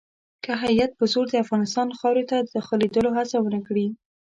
که هیات په زور د افغانستان خاورې ته داخلېدلو هڅه ونه کړي.